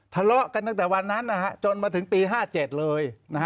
ทะเลาะกันตั้งแต่วันนั้นจนมาถึงปี๕๗เลย